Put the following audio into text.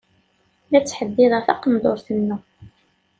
La ttḥeddideɣ taqendurt-inu.